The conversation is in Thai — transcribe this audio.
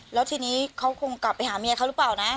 แล้วทีนี้เขาคงกลับไปหาเมียเขาหรือเปล่านะ